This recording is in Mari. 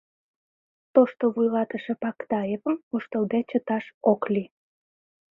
Тошто вуйлатыше Пактаевым воштылде чыташ ок лий.